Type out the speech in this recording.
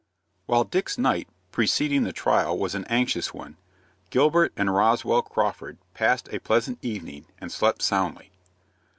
While Dick's night preceding the trial was an anxious one, Gilbert and Roswell Crawford passed a pleasant evening, and slept soundly.